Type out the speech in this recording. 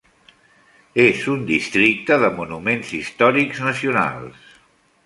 És un districte de Monuments Històrics Nacionals.